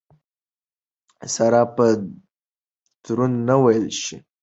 سره به دروند نه وېل شي.